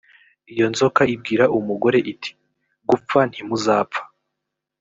iyo nzoka ibwira umugore iti gupfa ntimuzapfa